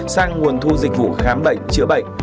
sang nguồn thu dịch vụ khám bệnh chữa bệnh